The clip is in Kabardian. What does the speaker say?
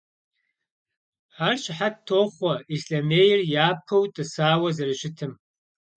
Ар щыхьэт тохъуэ Ислъэмейр япэу тӀысауэ зэрыщытым.